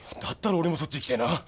だったら俺もそっち行きてえな。